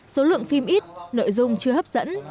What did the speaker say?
số lượng phim ít nội dung chưa hấp dẫn